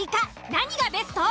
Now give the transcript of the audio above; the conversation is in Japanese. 何がベスト？